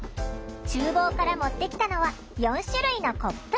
ちゅう房から持ってきたのは４種類のコップ。